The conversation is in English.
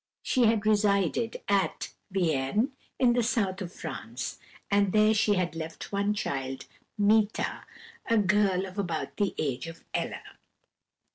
She had resided at Vienne, in the south of France, and there she had left one child, Meeta, a girl of about the age of Ella.